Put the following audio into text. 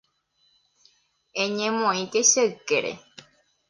Eñemoĩke che ykére.